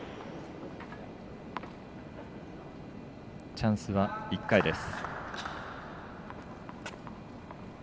チャンスは１回です。